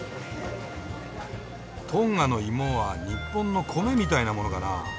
トンガのイモは日本の米みたいなものかな。